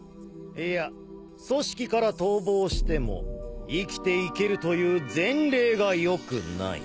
いや組織から逃亡しても生きていけるという前例がよくない。